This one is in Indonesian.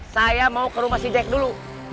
saya mau ke rumah si jack dulu